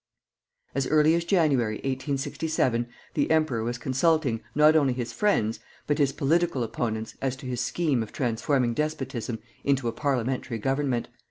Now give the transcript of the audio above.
As early as January, 1867, the emperor was consulting, not only his friends, but his political opponents as to his scheme of transforming despotism into a parliamentary government.